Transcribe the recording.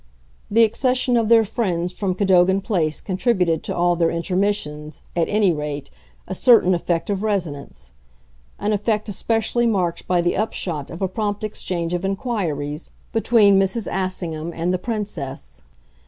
The accession of their friends from Cadogan Place contributed to all their intermissions, at any rate, a certain effect of resonance; an effect especially marked by the upshot of a prompt exchange of inquiries between Mrs. Assingham and the Princess.